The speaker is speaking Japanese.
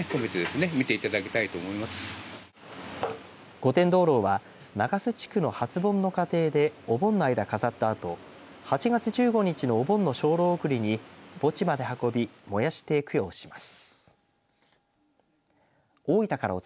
御殿灯ろうは長洲地区の初盆の家庭でお盆の間、飾ったあと８月１５日のお盆の精霊送りに墓地まで運び燃やして供養します。